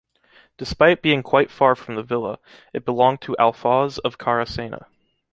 Despite being quite far from the Villa, it belonged to Alfoz of Caracena.